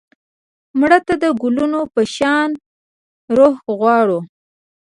مړه ته د ګلونو په شان روح غواړو